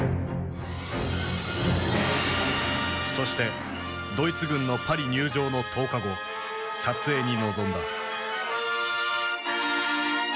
そしてドイツ軍のパリ入城の１０日後撮影に臨んだ。